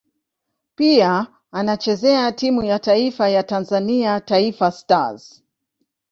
Pia anachezea timu ya taifa ya Tanzania Taifa Stars.